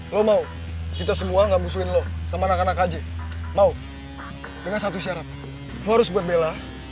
lo mau kita semua ngambil sama anak anak aja mau dengan satu syarat harus buat bella